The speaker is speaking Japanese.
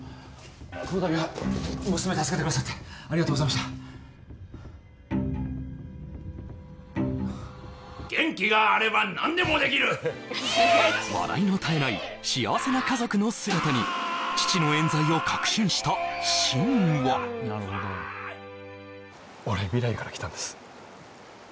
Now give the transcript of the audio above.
このたびは娘助けてくださってありがとうございました元気があれば何でもできる笑いの絶えない幸せな家族の姿に父の冤罪を確信した心は俺未来から来たんです